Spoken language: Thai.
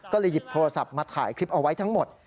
ก็เลยหยิบโทรศัพท์มาถ่ายคลิปเอาไว้ทั้งหมด